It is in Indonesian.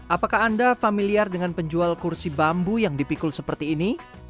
apakah anda familiar dengan penjual kursi bambu yang dipikul seperti ini